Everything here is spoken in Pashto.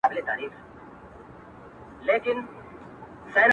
پټ دي له رویبار څخه اخیستي سلامونه دي!!